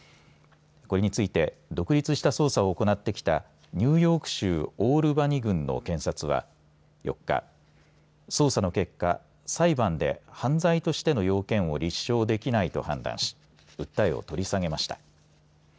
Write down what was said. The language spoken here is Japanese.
これについて独立した捜査を行ってきたニューヨーク州オールバニ郡の検察は４日、捜査の結果、裁判で犯罪としての要件を立証できないと判断し訴えを取り下げました。